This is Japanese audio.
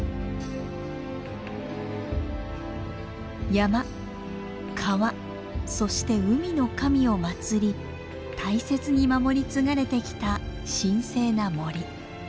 山川そして海の神を祭り大切に守り継がれてきた神聖な森。